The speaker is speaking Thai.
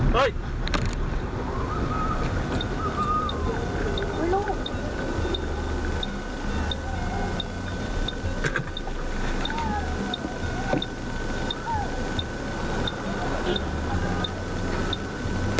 มีก้อนไหมครับช่วยหน่อยครับพี่